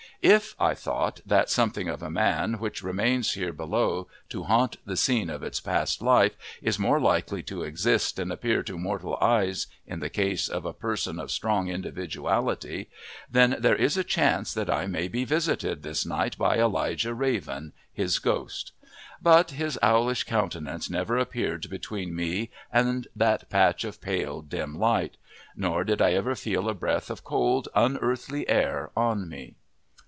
If, I thought, that something of a man which remains here below to haunt the scene of its past life is more likely to exist and appear to mortal eyes in the case of a person of strong individuality, then there is a chance that I may be visited this night by Elijah Raven his ghost. But his owlish countenance never appeared between me and that patch of pale dim light; nor did I ever feel a breath of cold unearthly air on me.